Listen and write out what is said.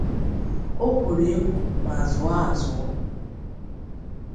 O kwòrò èkwò ma zụọ azụọ